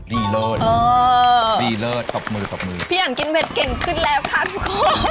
ดีเลิศดีเลิศตบมือตบมือพี่อันกินเผ็ดเก่งขึ้นแล้วค่ะทุกคน